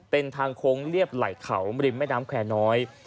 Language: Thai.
เป็นทางโค้งเรียบไหล่เขาริมแม่น้ำแควร์น้อย